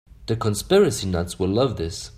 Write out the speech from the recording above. The conspiracy nuts will love this.